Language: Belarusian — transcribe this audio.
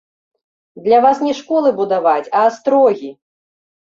Для вас не школы будаваць, а астрогі!